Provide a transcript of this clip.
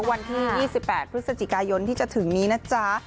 วันที่๒๘พฤศจิกายนที่จะถึงนี้นะจ๊ะ